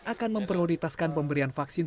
akan memprioritaskan pemberian vaksin